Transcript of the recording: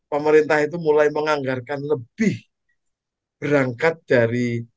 pemerintah itu mulai menganggarkan lebih berangkat dari